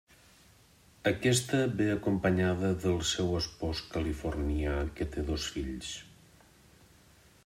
Aquesta ve acompanyada del seu espòs californià que té dos fills.